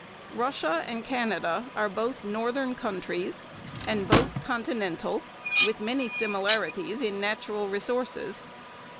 Russia and Canada are both northern countries and both continental, with many similarities in natural resources.